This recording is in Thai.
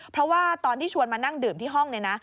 เพราะว่าตอนที่ชวนมานั่งดื่มที่ห้องเนี่ยนะ